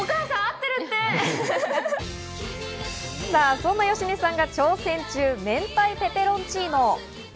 そんな芳根さんが挑戦中、明太ペペロンチーノ。